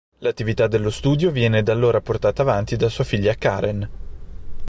L'attività dello studio viene da allora portata avanti da sua figlia Karen.